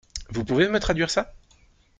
Vous pouvez me traduire ça ?